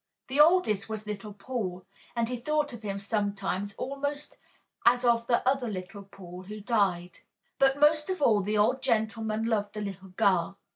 The oldest was little Paul, and he thought of him sometimes almost as of the other little Paul who died. But most of all the old gentleman loved the little girl.